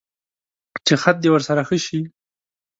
چې خط دې ورسره ښه شي.